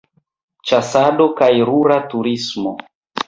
Ĉasado kaj rura turismo.